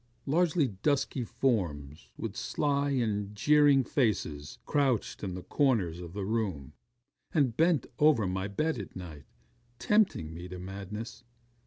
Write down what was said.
Large dusky forms with sly and jeering faces crouched in the corners of the room, and bent over my bed at night, tempting me to madness.